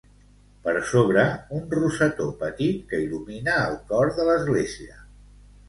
Per sobre un rosetó petit que il·lumina el cor de l'església.